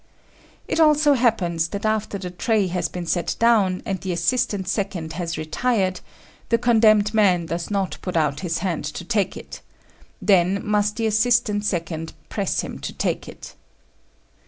It also happens that after the tray has been set down, and the assistant second has retired, the condemned man does not put out his hand to take it; then must the assistant second press him to take it.